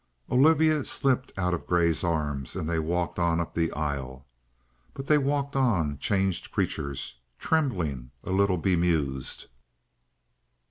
Olivia slipped out of Grey's arm, and they walked on up the aisle. But they walked on, changed creatures trembling, a little bemused.